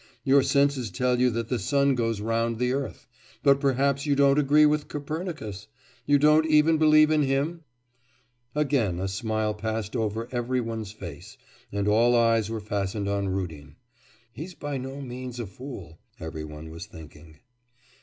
Your senses tell you that the sun goes round the earth,... but perhaps you don't agree with Copernicus? You don't even believe in him?' Again a smile passed over every one's face, and all eyes were fastened on Rudin. 'He's by no means a fool,' every one was thinking.